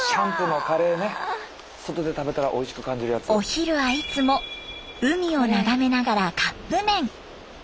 お昼はいつも海を眺めながらカップ麺。